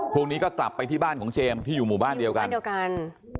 พรุ่งนี้ก็กลับไปที่บ้านของเจมส์ที่อยู่หมู่บ้านเดียวกันบ้านเดียวกัน